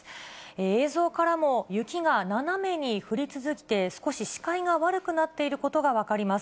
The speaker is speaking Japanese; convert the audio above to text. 映像からも雪が斜めに降り続いて、少し視界が悪くなっていることが分かります。